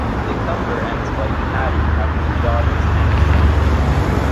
McCumber and his wife, Paddy, have two daughters and a son.